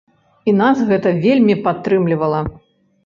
І нас гэта вельмі падтрымлівала.